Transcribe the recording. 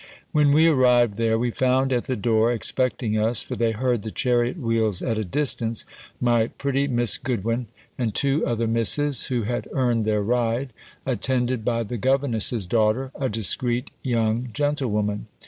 When we arrived there, we found at the door, expecting us (for they heard the chariot wheels at a distance), my pretty Miss Goodwin, and two other Misses, who had earned their ride, attended by the governess's daughter, a discreet young gentlewoman.